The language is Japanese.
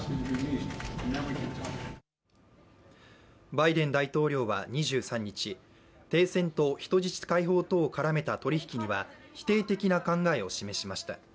バイデン大統領は２３日、停戦と人質解放とを絡めた取り引きには否定的な考えを示しました。